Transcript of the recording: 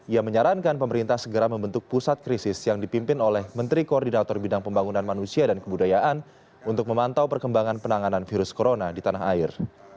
ia menyarankan pemerintah segera membentuk pusat krisis yang dipimpin oleh menteri koordinator bidang pembangunan manusia dan kebudayaan untuk memantau perkembangan penanganan virus corona di tanah air